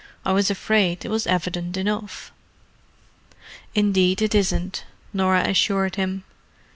I was afraid it was evident enough." "Indeed it isn't," Norah assured him.